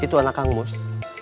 itu anak kang mus